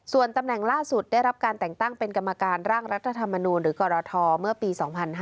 ส่วนตำแหน่งล่าสุดได้รับการแต่งตั้งเป็นกรรมการร่างรัฐธรรมนูลหรือกรทเมื่อปี๒๕๕๙